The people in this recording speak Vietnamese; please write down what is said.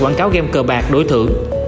quảng cáo game cờ bạc đối thưởng